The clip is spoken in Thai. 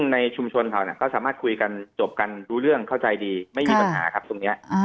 ในชุมชนเขาก็สามารถคุยกันจบกันรู้เรื่องเข้าใจดีไม่มีปัญหาครับตรงนี้